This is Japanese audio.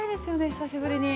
久しぶりに。